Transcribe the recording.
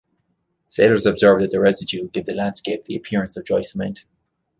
Sailors observed that the residue gave the landscape the appearance of dry cement.